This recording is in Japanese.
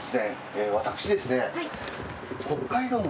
私ですね。